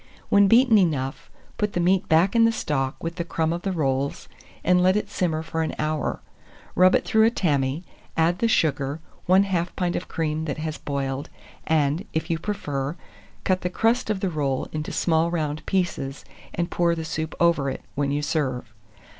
When beaten enough, put the meat back in the stock, with the crumb of the rolls, and let it simmer for an hour; rub it through a tammy, add the sugar, 1/2 pint of cream that has boiled, and, if you prefer, cut the crust of the roll into small round pieces, and pour the soup over it, when you serve.